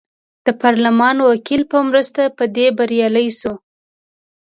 د پارلمان وکیل په مرسته په دې بریالی شو.